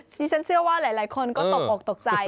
ที่ฉันเชื่อว่าหลายคนก็ตกอกตกใจ